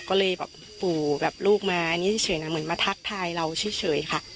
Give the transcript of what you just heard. ก็เลยแบบปู่กับลูกมาอันนี้เฉยนะเหมือนมาทักทายเราเฉยค่ะ